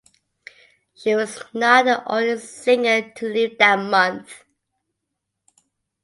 She was not the only singer to leave that month.